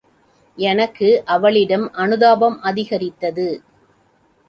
எனக்கு அவளிடம் அனுதாபம் அதிகரித்தது.